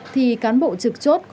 thì cán bộ trực chốt